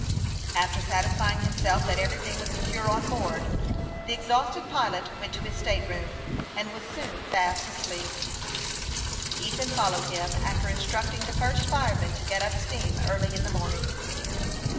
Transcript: After satisfying himself that everything was secure on board, the exhausted pilot went to his state room, and was soon fast asleep. Ethan followed him, after instructing the first fireman to get up steam early in the morning.